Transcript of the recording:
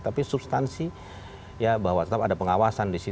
tapi substansi ya bahwa kita harus menghilangkan regulasi